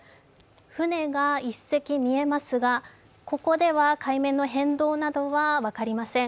船が１隻見えますがここでは海面の変動などは分かりません。